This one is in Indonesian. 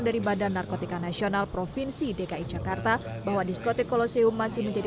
dari badan narkotika nasional provinsi dki jakarta bahwa diskotek koloseum masih menjadi